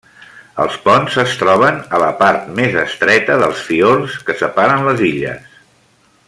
Els ponts es troben a la part més estreta dels fiords que separen les illes.